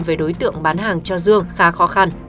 về đối tượng bán hàng cho dương khá khó khăn